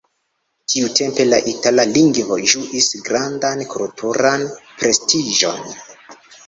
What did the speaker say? Tiutempe, la itala lingvo ĝuis grandan kulturan prestiĝon.